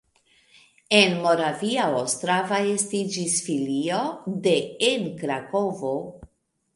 En Moravia Ostrava estiĝis filio de en Krakovo.